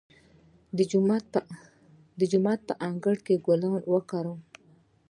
د جومات په انګړ کې ګلونه وکرم؟